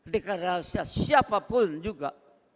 dekat rahasia siapa pun juga